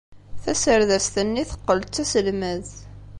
Taserdast-nni teqqel d taselmadt.